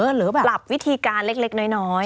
หรือแบบปรับวิธีการเล็กน้อย